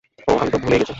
ওহ, আমি তো ভুলেই গেছি।